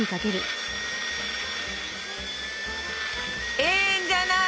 いいんじゃない！